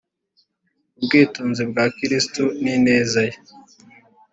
ubwitonzi bwa kristo n ineza ye